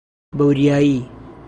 بەوریایی!